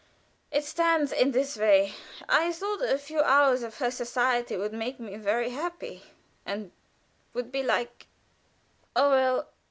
It stands in this way. I thought a few hours of her society would make me very happy, and would be like oh, well!